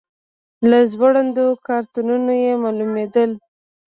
له ځوړندو کارتونو یې معلومېدل.